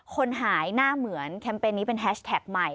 คนหายหน้าเหมือนแคมเปญนี้เป็นแฮชแท็กใหม่